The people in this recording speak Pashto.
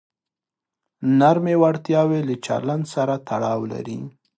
نرمې وړتیاوې له چلند سره تړاو لري.